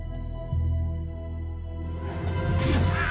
kamu datang ke gambar